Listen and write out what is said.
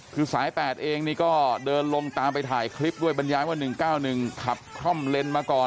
คือสาย๘เองนี่ก็เดินลงตามไปถ่ายคลิปด้วยบรรยายว่า๑๙๑ขับคล่อมเลนมาก่อน